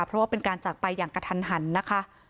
เพราะว่าเป็นการจากไปอย่างกระทันหันนะคะ